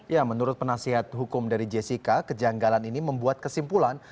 ya menurut penasihat hukum dari jessica kejanggalan ini membuat kesimpulan